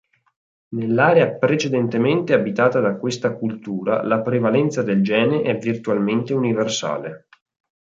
Nell'area precedentemente abitata da questa cultura, la prevalenza del gene è virtualmente universale.